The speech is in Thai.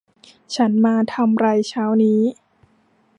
ฉันมาทำไรเช้านี้